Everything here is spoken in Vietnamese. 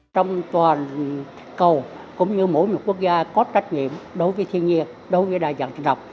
trong toàn cầu cũng như mỗi một quốc gia có trách nhiệm đối với thiên nhiên đối với đa dạng sinh học